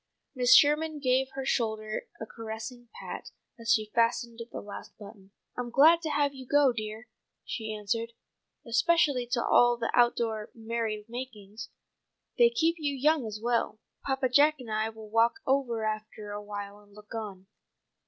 Mrs. Sherman gave her shoulder a caressing pat as she fastened the last button. "I'm glad to have you go, dear," she answered, "especially to all the out door merry makings. They keep you young and well. Papa Jack and I will walk over after awhile and look on."